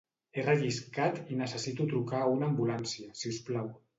He relliscat i necessito trucar a una ambulància, si us plau.